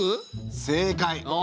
正解。